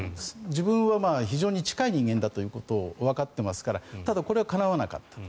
自分は非常に近い人間だということをわかっていますからただ、これはかなわなかった。